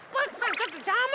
ちょっとじゃま！